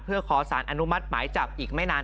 เพื่อขอสารอนุมัติหมายจับอีกไม่นาน